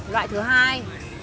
loại thứ hai